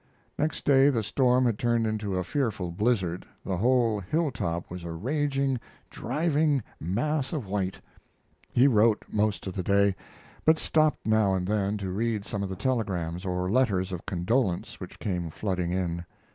Next day the storm had turned into a fearful blizzard; the whole hilltop was a raging, driving mass of white. He wrote most of the day, but stopped now and then to read some of the telegrams or letters of condolence which came flooding in.